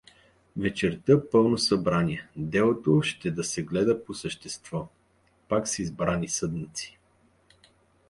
Вечерта пълно събрание, делото ще да се гледа по същество, пак с избрани съдници.